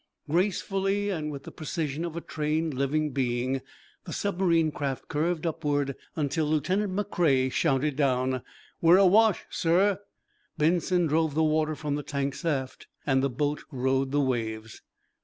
Gracefully, and with, the precision of a trained living being, the submarine craft curved upward until Lieutenant McCrea shouted down: "We're awash, sir" Benson drove the water from the tanks aft, and the boat rode the waves.